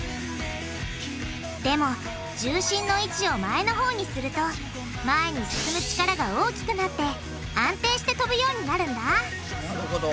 でも重心の位置を前のほうにすると前に進む力が大きくなって安定して飛ぶようになるんだなるほど。